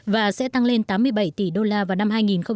và sẽ tăng lên tám mươi bảy tỷ đô la vào năm hai nghìn hai mươi